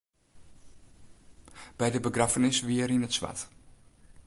By de begraffenis wie er yn it swart.